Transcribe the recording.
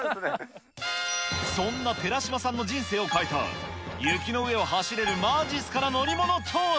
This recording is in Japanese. そんな寺嶋さんの人生を変えた雪の上を走れるまじっすかな乗り物とは。